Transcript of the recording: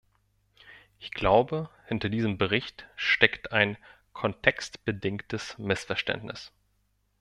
Ich glaube, hinter diesem Bericht steckt ein kontextbedingtes Missverständnis.